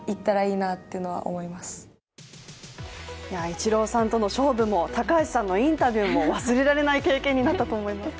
イチローさんとの勝負も、高橋さんのインタビューも忘れられない経験になったと思います。